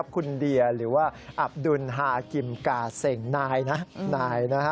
คุณเดียหรือว่าอับดุลฮากิมกาเซ็งนายนะนายนะฮะ